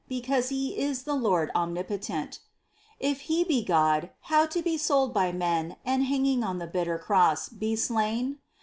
Because He is the Lord omnipotent !— If He be God : how to be sold by men And hanging on the bitter cross, be slain